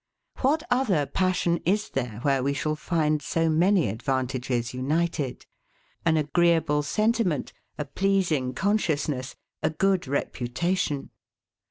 What other passion is there where we shall find so many advantages united; an agreeable sentiment, a pleasing consciousness, a good reputation?